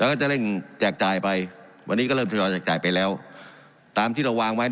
แล้วก็จะเร่งจัยไปวันนี้ก็เริ่มทรยนต์จักรจ่ายไปแล้ว